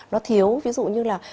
nó thiếu ví dụ như là